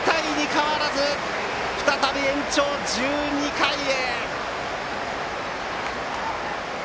変わらず再び延長１２回へ。